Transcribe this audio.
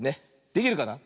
できるかな。